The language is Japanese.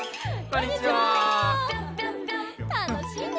たのしいね。